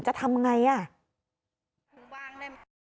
จะทำอย่างไร